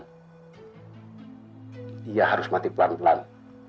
dia harus mati pelan pelan